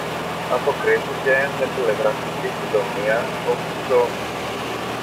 αποκρίθηκε με τηλεγραφική συντομία ο κουτσός.